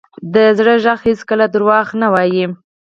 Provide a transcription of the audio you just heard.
د زړه ږغ هېڅکله دروغ نه وایي.